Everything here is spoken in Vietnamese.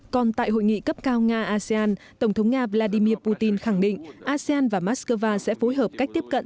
còn tại hội nghị cấp cao nga asean tổng thống nga vladimir putin khẳng định asean và moscow sẽ phối hợp cách tiếp cận